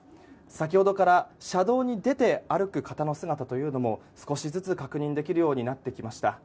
先ほどから車道に出て歩く方の姿というのも少しずつ確認できるようになってきました。